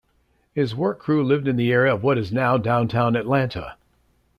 His work crew lived in the area of what is now downtown Atlanta.